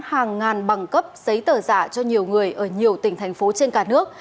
hàng ngàn bằng cấp giấy tờ giả cho nhiều người ở nhiều tỉnh thành phố trên cả nước